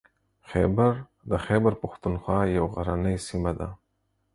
خیبر د خیبر پښتونخوا یوه غرنۍ سیمه ده.